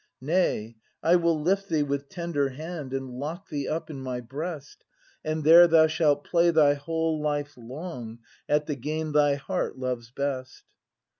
Nay, I will lift thee with tender hand, And lock thee up in my breast, And there thou shalt play thy whole life long At the game thy heart loves best.